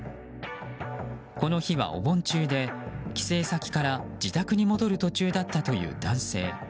この日はお盆中で帰省先から自宅に戻る途中だったという男性。